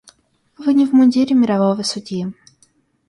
Вы не в мундире мирового судьи.